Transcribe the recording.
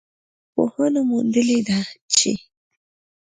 ساینسپوهانو موندلې ده چې